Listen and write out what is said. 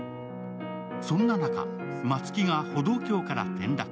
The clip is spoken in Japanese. そんな中、松木が歩道橋から転落。